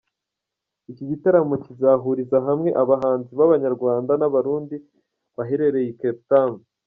Iki gitaramo kizahuriza hamwe abahanzi ba banyarwanda n'abarundi baherereye i CapeTown.